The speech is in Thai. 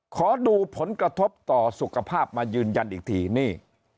ขอดูผลกระทบต่อสุขภาพมายืนยันอีกทีนี่